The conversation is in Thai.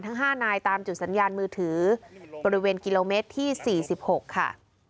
ทั้ง๕นายตามจุดสัญญาณมือถือบริเวณกิโลเมตรที่๔๖ค่ะ